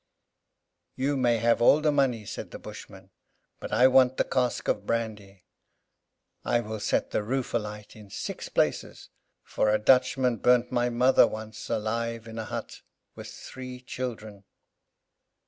"You may have all the money," said the Bushman; "but I want the cask of brandy. I will set the roof alight in six places, for a Dutchman burnt my mother once alive in a hut, with three children."